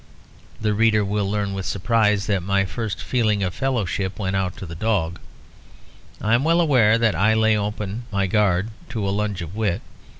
The reader will learn with surprise that my first feeling of fellowship went out to the dog; I am well aware that I lay open my guard to a lunge of wit.